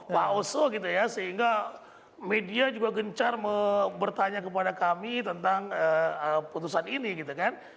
pak oso gitu ya sehingga media juga gencar bertanya kepada kami tentang putusan ini gitu kan